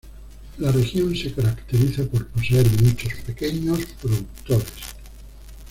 La región se caracteriza por poseer muchos pequeños productores.